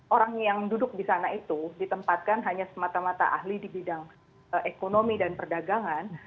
orang yang duduk di sana itu ditempatkan hanya semata mata ahli di bidang ekonomi dan perdagangan